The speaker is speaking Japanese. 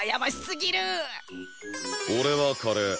俺はカレー。